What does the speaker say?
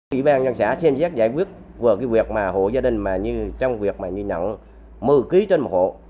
ủy ban nhân xã xem giác giải quyết vừa cái việc mà hộ gia đình mà như trong việc mà như nặng một mươi kg trên một hộ